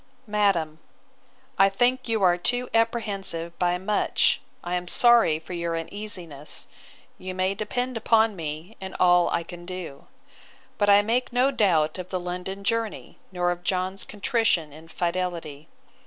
'MADAM, 'I think you are too apprehensive by much; I am sorry for your uneasiness. You may depend upon me, and all I can do. But I make no doubt of the London journey, nor of John's contrition and fidelity.